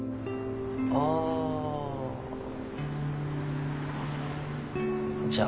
あじゃあ。